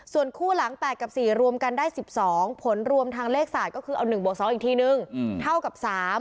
ส่วนคู่หลัง๘กับ๔รวมกันได้๑๒ผลรวมทางเลขศาสตร์ก็คือเอา๑บวก๒อีกทีนึงเท่ากับ๓